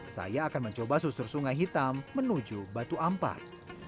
saya akan mencoba susur sungai hitam menuju batu ampat